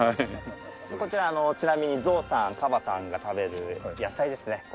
こちらちなみにゾウさんカバさんが食べる野菜ですね。